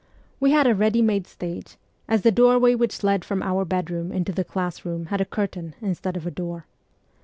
We had a ready made stage, as the doorway which led from our bedroom into " the class room had a curtain instead of a door.